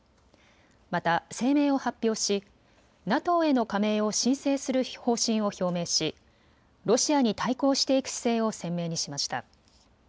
また声明を発表し、ＮＡＴＯへの加盟を申請する方針を表明しロシアに対抗していく姿勢を鮮明にしました。